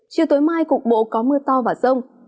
chiều tối mai cục bộ có mưa to và rông